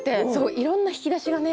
いろんな引き出しがね